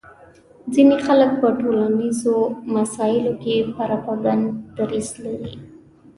ځینې خلک په ټولنیزو مسایلو کې پرېکنده دریځ لري